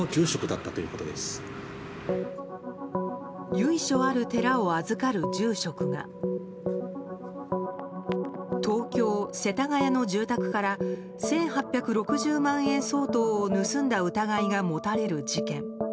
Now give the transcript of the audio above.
由緒ある寺を預かる住職が東京・世田谷の住宅から１８６０万円相当を盗んだ疑いが持たれる事件。